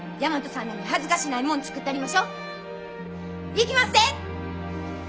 いきまっせ！